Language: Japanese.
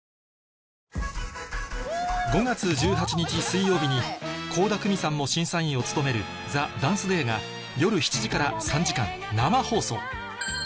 水曜日に倖田來未さんも審査員を務める『ＴＨＥＤＡＮＣＥＤＡＹ』が夜７時から３時間生放送